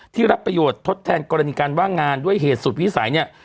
รับประโยชน์ทดแทนกรณีการว่างงานด้วยเหตุสุดวิสัยเนี่ย